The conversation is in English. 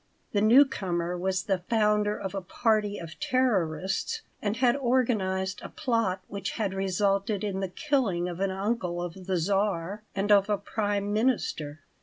The new comer was the founder of a party of terrorists and had organized a plot which had resulted in the killing of an uncle of the Czar and of a prime minister.